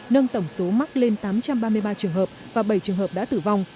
nâng tổng số mắc lên tám trăm ba mươi ba trường hợp và bảy trường hợp đã tử vong